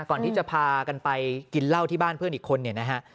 ก่อนที่จะพากันไปกินเหล้าที่บ้านเพื่อนอีกคนเนี่ยนะฮะ